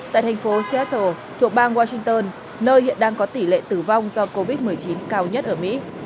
tại thành phố seattle thuộc bang washington nơi hiện đang có tỷ lệ tử vong do covid một mươi chín cao nhất ở mỹ